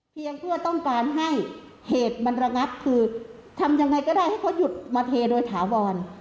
เพียงเพื่อต้องการให้เหตุมันระงับคือทำยังไงก็ได้ให้เขาหยุดมาเทโดยถาวร